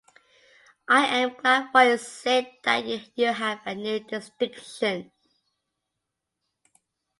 I am glad for your sake that you have a new distinction.